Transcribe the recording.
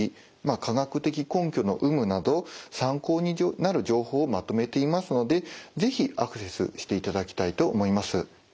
科学的根拠の有無など参考になる情報をまとめていますので是非アクセスしていただきたいと思います。